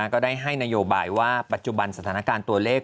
ก็ได้ให้นโยบายว่าปัจจุบันสถานการณ์ตัวเลข